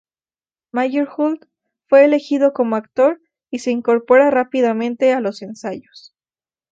Meyerhold fue elegido como actor y se incorpora rápidamente a los ensayos.